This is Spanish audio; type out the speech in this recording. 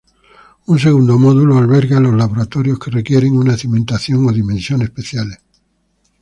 Un segundo módulo alberga los laboratorios que requieren una cimentación o dimensión especiales.